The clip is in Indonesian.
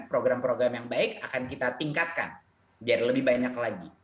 program program yang baik akan kita tingkatkan biar lebih banyak lagi